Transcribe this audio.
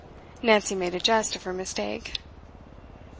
Nancy made a jest of her mistake.